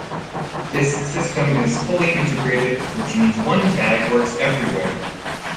This system is fully integrated, which means one tag works everywhere.